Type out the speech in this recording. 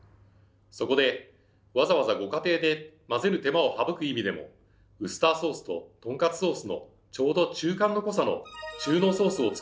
そこでわざわざご家庭で混ぜる手間を省く意味でもウスターソースととんかつソースのちょうど中間の濃さの中濃ソースを作ったんです。